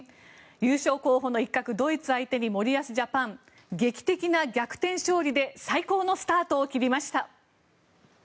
優勝候補の一角ドイツ相手に森保ジャパン、劇的な逆転勝利で最高のスタートを切りました。